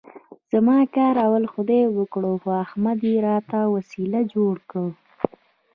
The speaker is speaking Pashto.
زما کار اول خدای وکړ، خو احمد یې راته وسیله جوړ کړ.